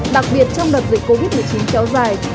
đặc biệt trong đợt dịch covid một mươi chín kéo dài